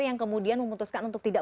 dan juga dengan dari mereka